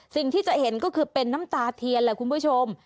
สิ่งที่จะเห็นก็คือเป็นน้ำตาเทียนแหละคุณผู้ชม